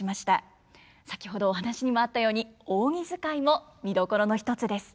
先ほどお話にもあったように扇づかいも見どころの一つです。